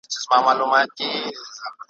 یو ستا سره مي مینه ولي ورځ په ورځ زیاتېږي ,